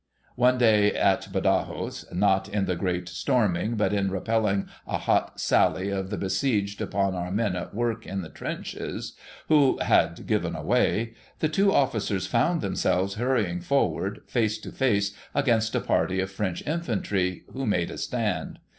One day, at Badajos, — not in the great storming, but in repelling a hot sally of the besieged upon our men at work in the trenches, who had given way, — the two officers found themselves hurrying forward, face to face, against a party of French infantry, who made a stand.